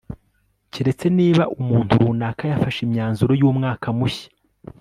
keretse niba umuntu runaka yafashe imyanzuro yumwaka mushya